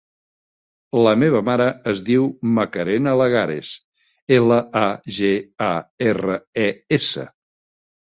La meva mare es diu Macarena Lagares: ela, a, ge, a, erra, e, essa.